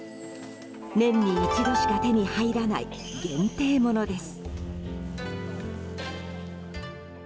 年に一度しか手に入らない限定ものです。